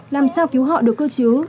làm sao cứu họ được cơ chứ